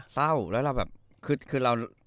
เศร้าแล้วเราแบบคือเรา